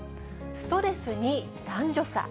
ストレスに男女差。